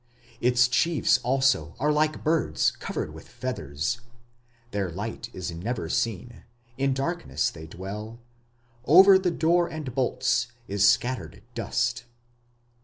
Its chiefs also are like birds covered with feathers; The light is never seen, in darkness they dwell.... Over the door and bolts is scattered dust.